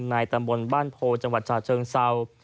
ในตำบลบ้านโพจังหวัดฉาเชิงเศร้า